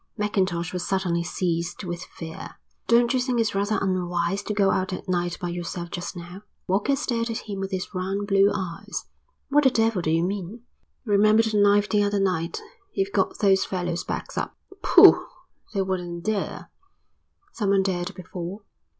Mackintosh was suddenly seized with fear. "Don't you think it's rather unwise to go out at night by yourself just now?" Walker stared at him with his round blue eyes. "What the devil do you mean?" "Remember the knife the other night. You've got those fellows' backs up." "Pooh! They wouldn't dare." "Someone dared before."